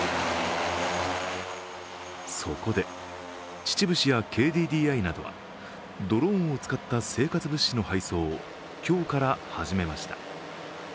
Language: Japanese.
そこで、秩父市やＫＤＤＩなどはドローンを使った生活物資の配送を今日から始めました。